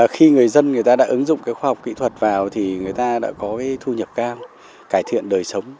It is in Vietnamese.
khi người dân người ta đã ứng dụng cái khoa học kỹ thuật vào thì người ta đã có thu nhập cao cải thiện đời sống